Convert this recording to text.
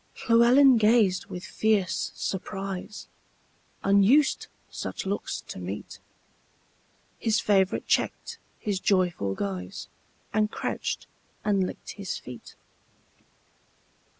Llewelyn gazed with fierce surprise; Unused such looks to meet, His favorite checked his joyful guise, And crouched and licked his feet.